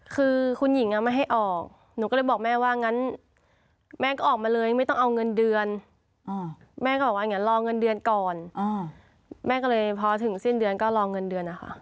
คือคุณหญิงไม่ให้ออกหนูก็เลยบอกแม่ว่างั้นแม่ก็ออกมาเลยไม่ต้องเอาเงินเดือนแม่ก็บอกว่างั้นรอเงินเดือนก่อนแม่ก็เลยพอถึงสิ้นเดือนก็รอเงินเดือนนะคะ